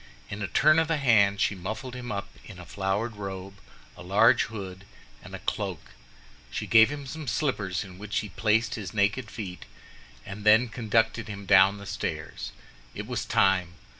In a turn of the hand she muffled him up in a flowered robe, a large hood, and a cloak. She gave him some slippers, in which he placed his naked feet, and then conducted him down the stairs. It was time.